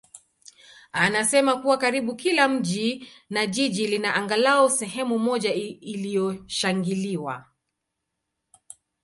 anasema kuwa karibu kila mji na jiji lina angalau sehemu moja iliyoshangiliwa.